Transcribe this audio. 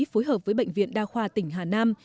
phối hợp với bệnh viện đa khoa tỉnh hà nam